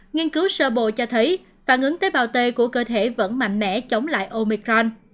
nghiên cứu sơ bộ cho thấy phản ứng tế bào t của cơ thể vẫn mạnh mẽ chống lại omicron